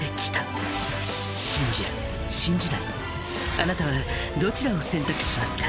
あなたはどちらを選択しますか？